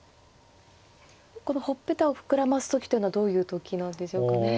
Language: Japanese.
このほっぺたを膨らます時というのはどういう時なんでしょうかね。